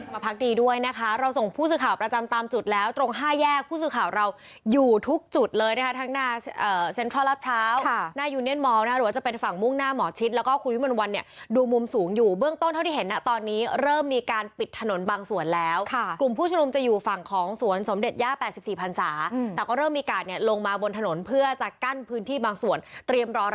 มาพักดีด้วยนะคะเราส่งผู้สื่อข่าวประจำตามจุดแล้วตรง๕แยกผู้สื่อข่าวเราอยู่ทุกจุดเลยนะฮะถ้างขวางเซนทรอตและพลาวท์